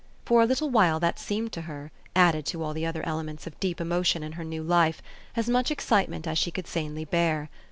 For a little while that seemed to her, added to ah* the other elements of deep emotion in her new life, as much excitement as she could sanely bear.